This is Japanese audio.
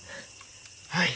はい。